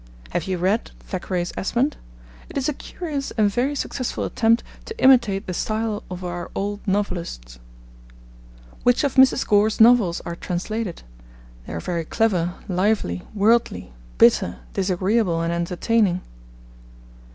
... Have you read Thackeray's Esmond? It is a curious and very successful attempt to imitate the style of our old novelists. ... Which of Mrs. Gore's novels are translated? They are very clever, lively, worldly, bitter, disagreeable, and entertaining.